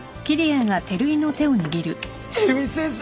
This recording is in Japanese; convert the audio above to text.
照井先生！